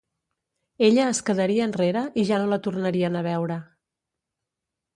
Ella es quedaria enrere i ja no la tornarien a veure.